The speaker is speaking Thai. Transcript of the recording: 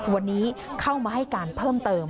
วันนี้เข้ามาให้การเพิ่มเติม